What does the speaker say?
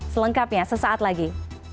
selengkapnya sesaat lagi